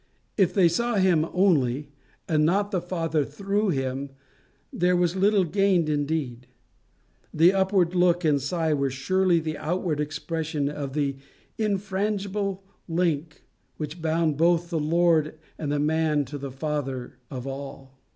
If they saw him only, and not the Father through him, there was little gained indeed. The upward look and the sigh were surely the outward expression of the infrangible link which bound both the Lord and the man to the Father of all.